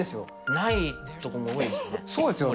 ないとかも多いですね。